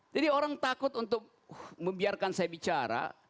jadi orang takut untuk membiarkan saya bicara